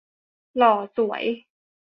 หล่อสวย